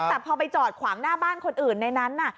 แต่พอไปจอดขวางหน้าบ้านคนอื่นในนั้น